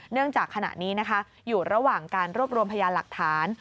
จากขณะนี้นะคะอยู่ระหว่างการรวบรวมพยานหลักฐาน